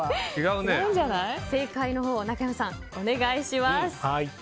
正解を中山さん、お願いします。